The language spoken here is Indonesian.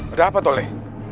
ada apa toleh